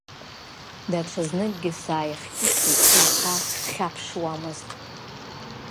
Даҽа зныкгьы сааихькьысит, аха дхьаԥшуамызт.